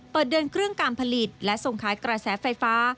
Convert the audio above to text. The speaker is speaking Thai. เปิดเดินเครื่องการผลิตและส่งขายกระแสไฟฟ้า